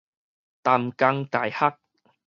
淡江大學